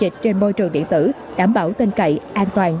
trường điện tử đảm bảo tên cậy an toàn